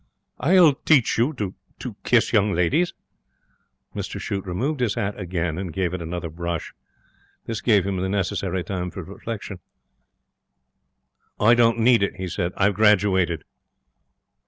'I'll teach you to to kiss young ladies!' Mr Shute removed his hat again and gave it another brush. This gave him the necessary time for reflection. 'I don't need it,' he said. 'I've graduated.'